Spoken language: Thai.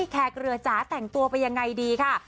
แขกเรือจ๋าแต่งตัวไปยังไงดีค่ะ